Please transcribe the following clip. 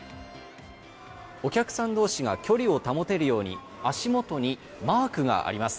お客さん同士が距離を保てるように足元にマークがあります。